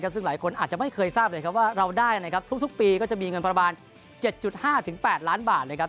ซึ่งหลายคนอาจจะไม่เคยทราบเลยครับว่าเราได้นะครับทุกปีก็จะมีเงินประมาณ๗๕๘ล้านบาทเลยครับ